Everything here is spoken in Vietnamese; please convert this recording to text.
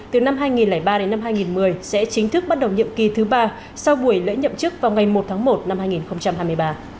từ năm hai nghìn ba đến năm hai nghìn một mươi sẽ chính thức bắt đầu nhiệm kỳ thứ ba sau buổi lễ nhậm chức vào ngày một tháng một năm hai nghìn hai mươi ba